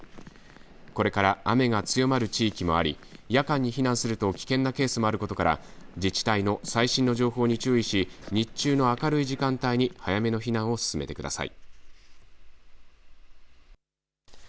これから雨が強まる地域もあり夜間に避難すると危険なケースもあることから自治体の最新の情報に注意し日中の明るい時間帯に早めの避難を進めてください。